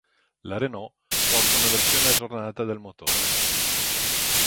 La Renault porta una versione aggiornata del motore.